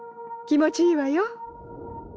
気持ちいいわよ。